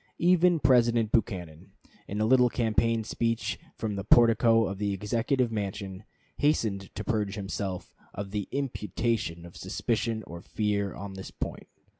Even President Buchanan, in a little campaign speech from the portico of the Executive mansion, hastened to purge himself of the imputation of suspicion or fear on this point.